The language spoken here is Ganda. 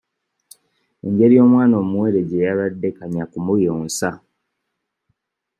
Engeri omwana omuwere gye yalwadde kanya kumuyonsa.